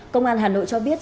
công an hà nội cho biết